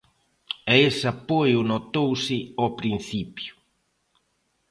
E ese apoio notouse ao principio.